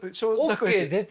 ＯＫ出て？